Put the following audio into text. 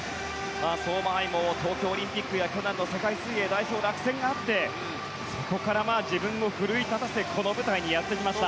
相馬あいも東京オリンピックや去年の世界水泳落選があってそこから自分を奮い立たせてこの舞台にやってきました。